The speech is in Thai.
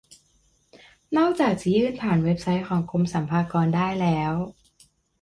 นอกจากจะยื่นผ่านเว็บไซต์ของกรมสรรพากรได้แล้ว